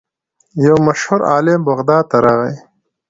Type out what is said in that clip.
یو مشهور عالم بغداد ته راغی.